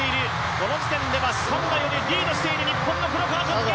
この時点ではサンバよりリードしている日本の黒川和樹。